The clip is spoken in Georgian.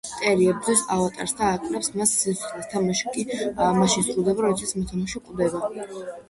მტერი ებრძვის ავატარს და აკლებს მას სიცოცხლეს, თამაში კი მაშინ სრულდება, როდესაც მოთამაშე მოკვდება.